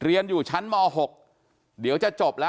กลุ่มวัยรุ่นกลัวว่าจะไม่ได้รับความเป็นธรรมทางด้านคดีจะคืบหน้า